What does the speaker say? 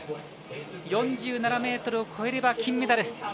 ４７ｍを越えれば金メダル。